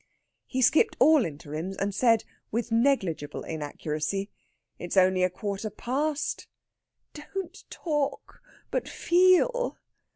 He skipped all interims, and said, with negligible inaccuracy, "It's only a quarter past." "Don't talk, but feel!"